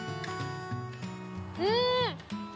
うん！